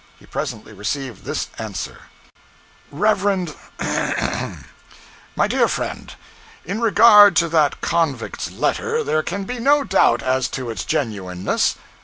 He presently received this answer Rev. MY dear friend, In regard to that 'convict's letter' there can be no doubt as to its genuineness.